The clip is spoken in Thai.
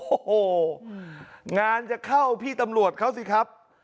โอ้โหงานจะเข้าพี่ตำรวจเขาสิครับ